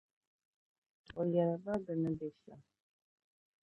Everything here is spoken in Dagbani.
O yɛli ba di ni be shɛm.